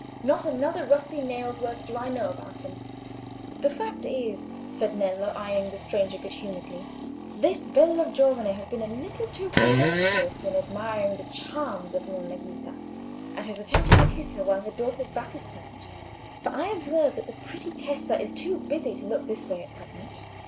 Not another rusty nail's worth do I know about him." "The fact is," said Nello, eyeing the stranger good humouredly, "this bello giovane has been a little too presumptuous in admiring the charms of Monna Ghita, and has attempted to kiss her while her daughter's back is turned; for I observe that the pretty Tessa is too busy to look this way at present.